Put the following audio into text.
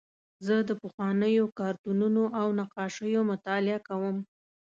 زه د پخوانیو کارتونونو او نقاشیو مطالعه کوم.